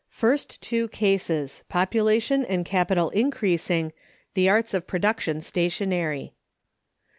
First two cases, Population and Capital increasing, the arts of production stationary.